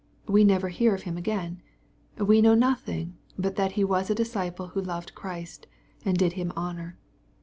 We never hear of him again. We know nothing, but that he was a disciple who loved Christ, and did Him honor.